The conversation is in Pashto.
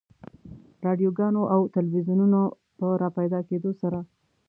رادیوګانو او تلویزیونونو په راپیدا کېدو سره.